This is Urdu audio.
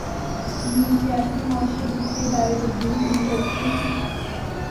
یوں سیاسی، معاشی اور دوسرے ادارے تبدیل ہونے لگتے ہیں۔